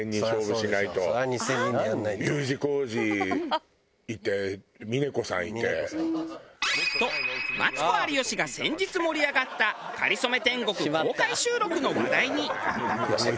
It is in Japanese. Ｕ字工事いて峰子さんいて。とマツコ有吉が先日盛り上がった『かりそめ天国』公開収録の話題に。